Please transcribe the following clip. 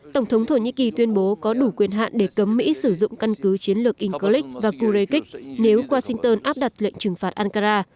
tổng thống thổ nhĩ kỳ tuyên bố có đủ quyền hạn để cấm mỹ sử dụng căn cứ chiến lược incleak và kurekic nếu washington áp đặt lệnh trừng phạt ankara